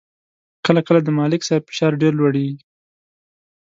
کله کله د ملک صاحب فشار ډېر لوړېږي.